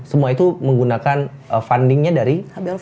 semua itu menggunakan fundingnya dari lps